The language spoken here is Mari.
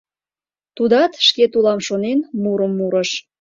Тудат, шкет улам шонен, мурым мурыш.